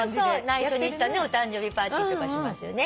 内緒にしたお誕生日パーティーとかしますよね。